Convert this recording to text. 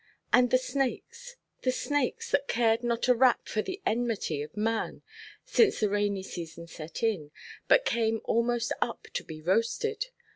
And the snakes, the snakes, that cared not a rap for the enmity of man, since the rainy season set in, but came almost up to be roasted!